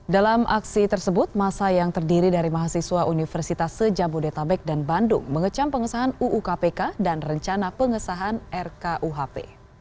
dalam aksi tersebut masa yang terdiri dari mahasiswa universitas sejabodetabek dan bandung mengecam pengesahan uu kpk dan rencana pengesahan rkuhp